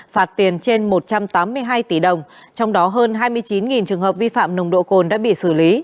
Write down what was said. phạt tiền trên một trăm tám mươi hai tỷ đồng trong đó hơn hai mươi chín trường hợp vi phạm nồng độ cồn đã bị xử lý